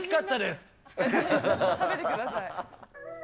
食べてください。